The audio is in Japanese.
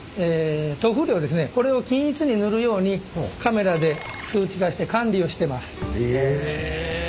これを均一に塗るようにカメラで数値化して管理をしてます。